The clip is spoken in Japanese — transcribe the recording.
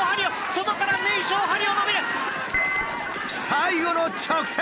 最後の直線。